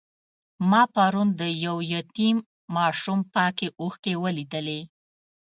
ما پرون د یو یتیم ماشوم پاکې اوښکې ولیدلې.